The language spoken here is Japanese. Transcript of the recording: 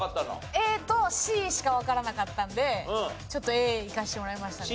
ＡとＣしかわからなかったのでちょっとＡいかせてもらいましたね。